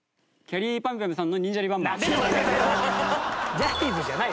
ジャニーズじゃない。